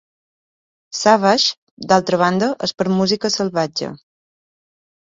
Savage, d'altra banda, és per música "salvatge".